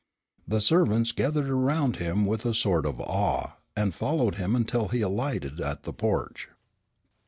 The servants gathered around him with a sort of awe and followed him until he alighted at the porch.